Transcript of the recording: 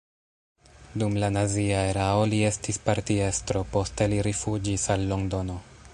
Dum la nazia erao li estis partiestro, poste li rifuĝis al Londono.